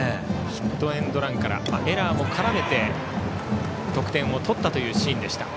ヒットエンドランからエラーも絡めて得点を取ったシーンでした。